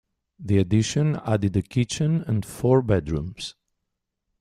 The addition added a kitchen and four bedrooms.